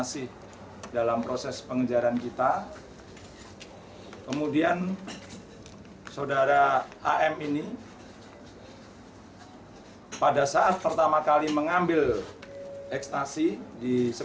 pria berusia empat puluh dua tahun ini mengaku mendapat upas besar rp satu per butir ekstasi yang diterima